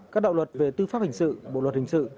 các đạo luật về tư pháp hình sự bộ luật hình sự